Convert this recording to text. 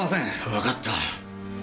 わかった。